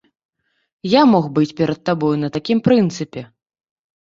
Я мог быць перад табою на такім прынцыпе.